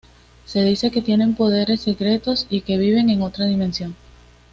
Se dice que tienen poderes secretos y que viven en otra dimensión.